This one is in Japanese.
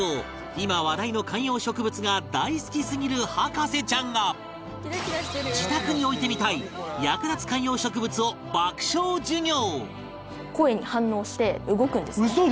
今話題の観葉植物が大好きすぎる博士ちゃんが自宅に置いてみたい役立つ観葉植物を爆笑授業！